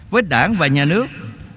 với đảng và nhà nước